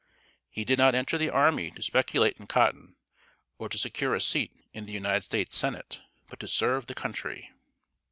He did not enter the army to speculate in cotton, or to secure a seat in the United States Senate, but to serve the country.